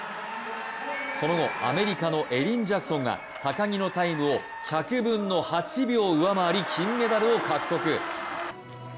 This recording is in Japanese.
その後、アメリカのエリン・ジャクソンが高木のタイムを１００分の８秒上回る、金メダル獲得。